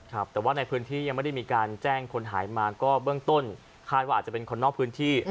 ครับแต่ว่าในพื้นที่ยังไม่ได้มีการแจ้งคนหายมาก็เบื้องต้นคาดว่าอาจจะเป็นคนนอกพื้นที่